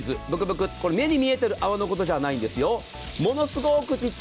ブクブクっと、これ目で見えてる泡のことじゃないんですよ。